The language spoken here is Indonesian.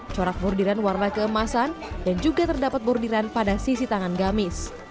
corak bordiran warna keemasan dan juga terdapat bordiran pada sisi tangan gamis